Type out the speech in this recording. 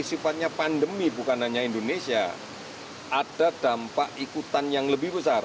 sifatnya pandemi bukan hanya indonesia ada dampak ikutan yang lebih besar